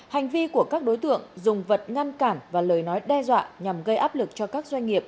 hành vi của các đối tượng dùng vật ngăn cản và lời nói đe dọa nhằm gây áp lực cho các doanh nghiệp